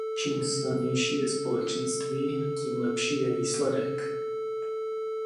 Čím silnější je společenství, tím lepší je výsledek!